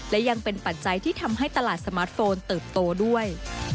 และยังเป็นปัจจัยที่ทำให้ตลาดสมาร์ทโฟนเติบโตด้วย